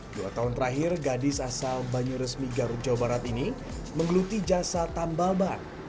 dua tahun terakhir gadis asal banyuresmi garut jawa barat ini menggeluti jasa tambal ban